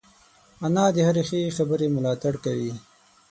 انا د هرې ښې خبرې ملاتړ کوي